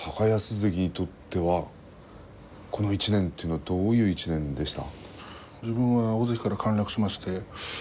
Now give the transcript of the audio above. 関にとってはこの１年というのはどういう１年でした？